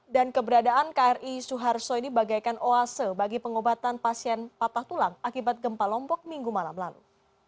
dan keberadaan kri suharto ini bagaikan oase bagi pengobatan pasien patah tulang akibat gempa lombok minggu malam lalu